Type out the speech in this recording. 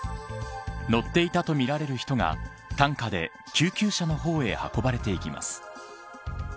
乗っていたとみられる人が担架で救急車の方へ運ばれていきます。